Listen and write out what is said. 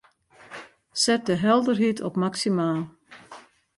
Set de helderheid op maksimaal.